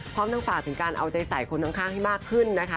ความตั้งฝากถึงการเอาใจใสคนดังข้างที่มากขึ้นนะคะ